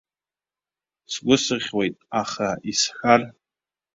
Сгәы сыхьуеит, аха исҳәар.